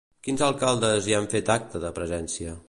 Quins alcaldes hi han fet acte de presència?